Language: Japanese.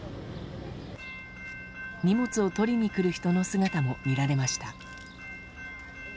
荷物を取りに来る人の姿も見られました。